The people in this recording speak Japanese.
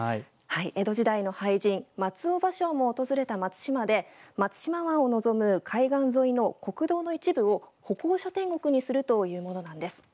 江戸時代の俳人松尾芭蕉も訪れた松島で松島湾を望む海岸沿いの国道の一部を歩行者天国にするというものなんです。